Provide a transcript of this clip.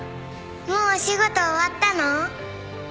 もうお仕事終わったの？